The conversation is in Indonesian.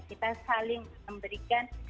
kita saling memberikan